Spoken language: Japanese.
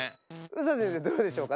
ＳＡ先生どうでしょうか？